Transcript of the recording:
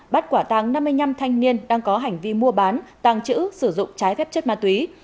bắt quả tăng năm mươi năm thanh niên đang có hành vi mua bán tàng trữ sử dụng trái phép chất ma túy